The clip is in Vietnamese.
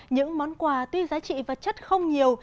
những món quà tuy giá trị và chất không nhiều